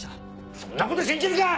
そんなこと信じるか！